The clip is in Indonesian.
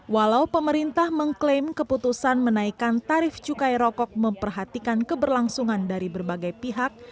walau pemerintah mengklaim keputusan menaikkan tarif cukai rokok memperhatikan keberlangsungan dari berbagai pihak